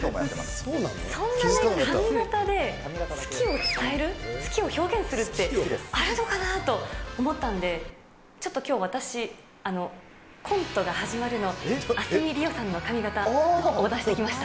そんな髪形で好きを伝える、好きを表現するって、あるのかなって思ったんで、ちょっときょう、私、コントが始まるの明日海りおさんの髪形をオーダーしてきました。